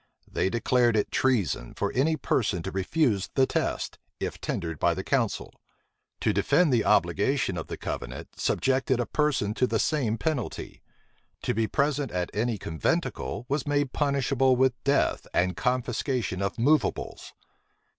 They declared it treason for any person to refuse the test, if tendered by the council. To defend the obligation of the covenant, subjected a person to the same penalty. To be present at any conventicle, was made punishable with death and confiscation of movables.